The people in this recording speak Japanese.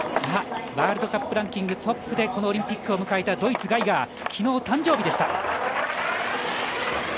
ワールドカップランキングトップでこのオリンピックを迎えたドイツ、ガイガー。